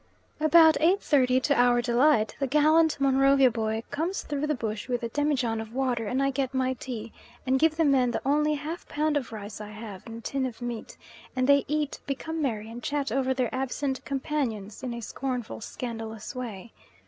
About 8.30, to our delight, the gallant Monrovia boy comes through the bush with a demijohn of water, and I get my tea, and give the men the only half pound of rice I have and a tin of meat, and they eat, become merry, and chat over their absent companions in a scornful, scandalous way.